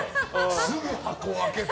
すぐ箱を開けて。